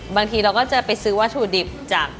บางทีเราก็จะไปซื้อวัตถุดิบจาก